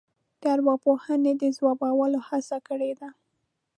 ارواپوهنې د ځوابولو هڅه کړې ده.